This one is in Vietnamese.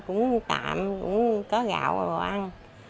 cũng tạm cũng có gạo và bò ăn